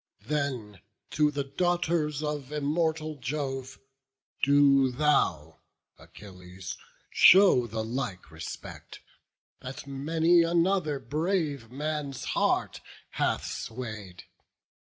Then to the daughters of immortal Jove, Do thou, Achilles, show the like respect, That many another brave man's heart hath sway'd.